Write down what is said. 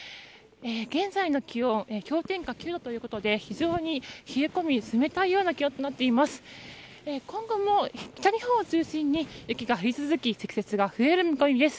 現在の気温氷点下９度ということで非常に冷え込み冷たい気温となっています。